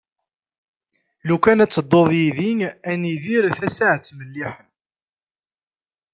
Lukan ad tedduḍ d yid-i ad nidir tasaɛet melliḥen.